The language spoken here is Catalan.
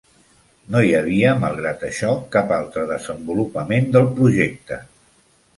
No hi havia, malgrat això, cap altre desenvolupament del projecte.